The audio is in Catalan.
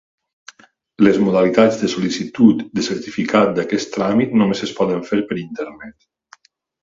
Les modalitats de sol·licitud de certificat d'aquest tràmit només es poden fer per internet.